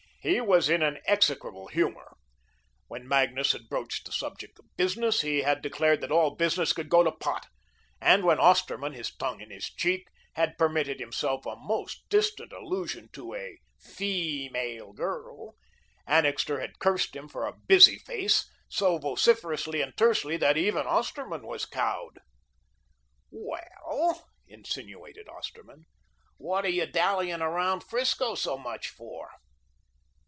He was in an execrable humour. When Magnus had broached the subject of business, he had declared that all business could go to pot, and when Osterman, his tongue in his cheek, had permitted himself a most distant allusion to a feemale girl, Annixter had cursed him for a "busy face" so vociferously and tersely, that even Osterman was cowed. "Well," insinuated Osterman, "what are you dallying 'round 'Frisco so much for?"